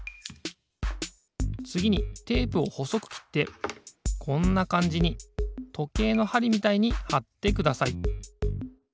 つぎにテープをほそくきってこんなかんじにとけいのはりみたいにはってください。